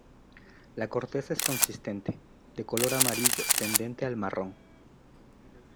La corteza es consistente, de color amarillo tendente al marrón.